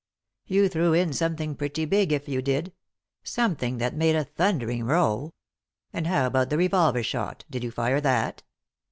" You threw in something pretty big if I did ; something that made a thundering row. And how about the revolver shot; did you fire that?"